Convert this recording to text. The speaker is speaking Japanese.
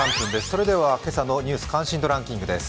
それでは今朝の「ニュース関心度ランキング」です。